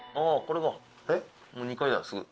もう２階だすぐ！